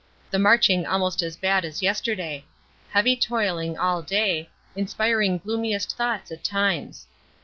The marching almost as bad as yesterday. Heavy toiling all day, inspiring gloomiest thoughts at times.